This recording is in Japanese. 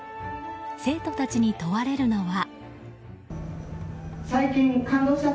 生徒たちに問われるのは。